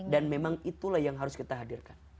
dan memang itulah yang harus kita hadirkan